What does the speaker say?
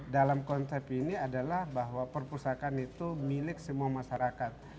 dalam konsep ini adalah bahwa perpustakaan itu milik semua masyarakat